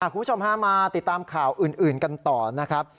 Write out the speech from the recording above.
คุณผู้ชมฮะมาติดตามข่าวอื่นกันต่อนะครับ